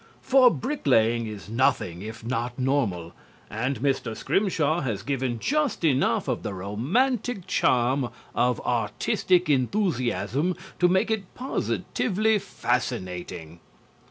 For bricklaying is nothing if not normal, and Mr. Scrimshaw has given just enough of the romantic charm of artistic enthusiasm to make it positively fascinating.